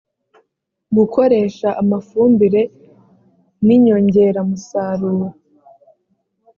gukoresha amafumbire n’inyongeramusaruro